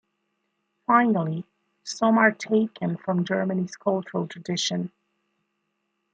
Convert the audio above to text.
Finally, some are taken from Germany's cultural tradition.